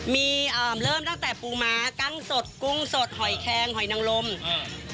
มีเอ่อเริ่มตั้งแต่ปูม้ากั้งสดกุ้งสดหอยแคงหอยนังลมอ่า